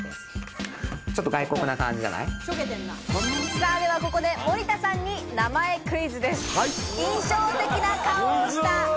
さぁではここで森田さんに名前クイズです。